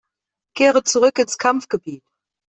Kehre zurück ins Kampfgebiet!